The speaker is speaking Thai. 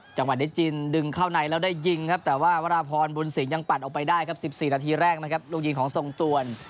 จังหวัดเดชจินดึงเข้าในแล้วได้ยิงครับแต่ว่าวราพรบุญสินยังปัดออกไปได้ครับ๑๔นาทีแรกนะครับลูกยิงของทรงตวน